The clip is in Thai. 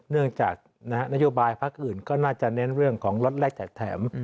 เนื่องจากนะฮะนโยบายภาคอื่นก็น่าจะเน้นเรื่องของลดแรกแถม